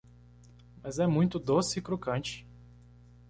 Mas é muito doce e crocante!